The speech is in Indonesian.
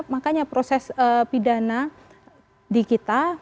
makanya proses pidana di kita